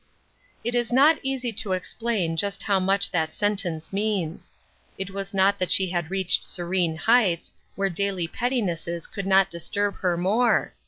It is not easy to explain just how much that sentence means. It was not that she had reached serene heights, where daily pettinesses could not disturb her more.